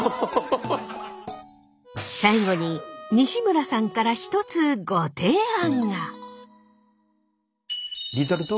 最後に西村さんから一つご提案が。